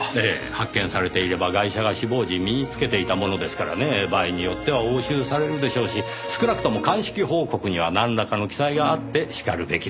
発見されていればガイシャが死亡時身につけていたものですからね場合によっては押収されるでしょうし少なくとも鑑識報告にはなんらかの記載があってしかるべきです。